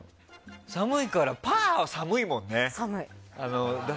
寒いからパーは寒いもんね。